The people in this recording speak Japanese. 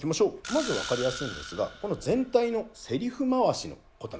まず分かりやすいんですがこの全体のセリフ回しのことなんですね。